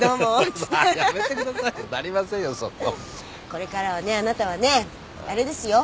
これからはねあなたはねあれですよ。